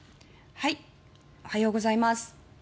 おはようございます。